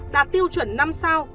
đạt tiêu chuẩn năm sao